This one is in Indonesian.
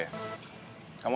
kamu tau gak